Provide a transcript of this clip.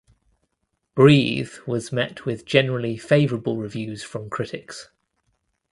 Breathe was met with generally favorable reviews from critics.